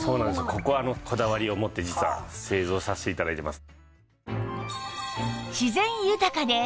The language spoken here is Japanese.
こここだわりを持って実は製造させて頂いてます。